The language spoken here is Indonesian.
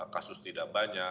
kasus tidak banyak